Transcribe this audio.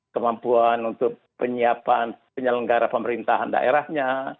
kemampuan untuk penyiapan penyelenggara pemerintahan daerahnya